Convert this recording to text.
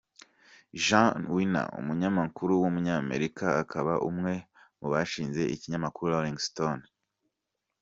Jann Wenner, umunyamakuru w’umunyamerika, akaba umwe mu bashinze ikinyamakuru Rolling Stone nibwo yavutse.